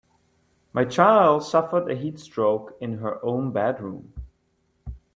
My child suffered a heat stroke in her own bedroom.